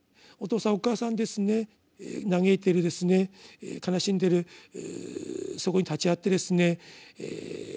お父さんお母さんですね嘆いてる悲しんでるそこに立ち会ってですね